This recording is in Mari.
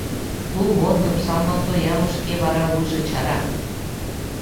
Тулвондым, салматоям ышке вара вуйжо чара —